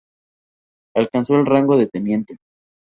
Alcanzó el rango de teniente.